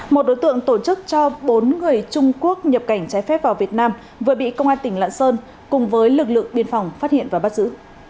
một đối tượng tổ chức cho bốn người trung quốc nhập cảnh trái phép vào việt nam vừa bị công an tỉnh lạng sơn cùng với lực lượng biên phòng phát hiện và bắt giữ